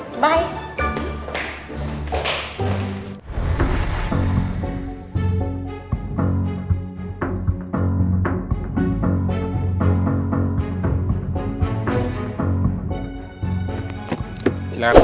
sampai jumpa di video selanjutnya